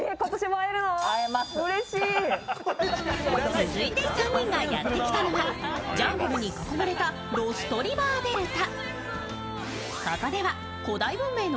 続いて３人がやってきたのはジャングルに囲まれたロストリバーデルタ。